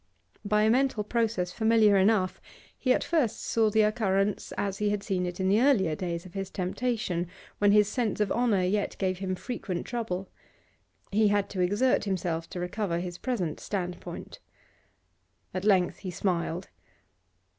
By a mental process familiar enough he at first saw the occurrence as he had seen it in the earlier days of his temptation, when his sense of honour yet gave him frequent trouble; he had to exert himself to recover his present standpoint. At length he smiled.